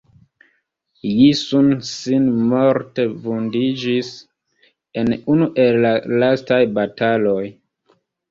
Ji Sun-sin morte vundiĝis en unu el la lastaj bataloj.